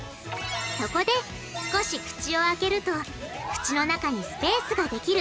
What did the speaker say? そこで少し口を開けると口の中にスペースができる。